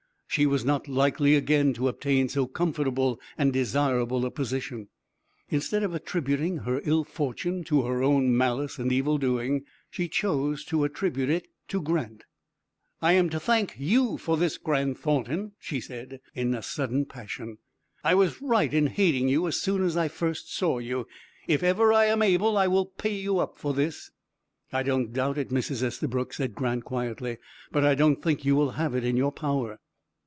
She was not likely again to obtain so comfortable and desirable a position. Instead of attributing her ill fortune to her own malice and evil doing, she chose to attribute it to Grant. "I am to thank you for this, Grant Thornton," she said, in sudden passion. "I was right in hating you as soon as I first saw you. If ever I am able I will pay you up for this." "I don't doubt it, Mrs. Estabrook," said Grant, quietly, "but I don't think you will have it in your power."